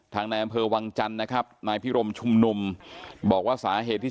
ในอำเภอวังจันทร์นะครับนายพิรมชุมนุมบอกว่าสาเหตุที่